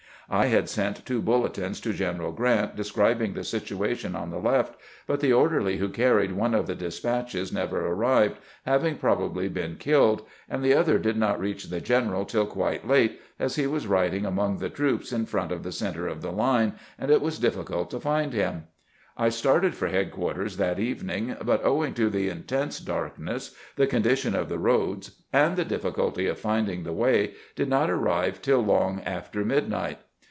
I had sent two bulletins to General Grant describing the situation on the left, but the orderly who carried one of the despatches never arrived, having probably been killed, and the other did not reach the general till quite late, as he was riding among the troops in front of the center of the line, and it was difficult to find him, I started for headquarters that evening, but owing to the intense darkness, the condition of the roads, and the difficulty of finding the way, did not arrive till long after midnight.